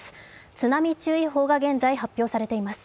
津波注意報が現在発表されています。